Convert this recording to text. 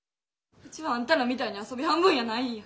ウチはあんたらみたいに遊び半分やないんや！